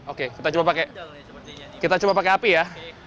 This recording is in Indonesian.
oke kita coba pakai api ya